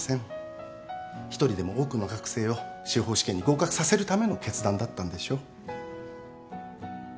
一人でも多くの学生を司法試験に合格させるための決断だったんでしょう。